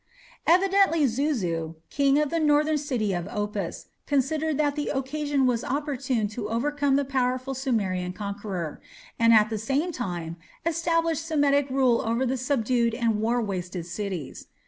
Evidently Zuzu, king of the northern city of Opis, considered that the occasion was opportune to overcome the powerful Sumerian conqueror, and at the same time establish Semitic rule over the subdued and war wasted cities.